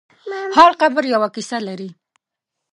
هر قبر یوه کیسه لري.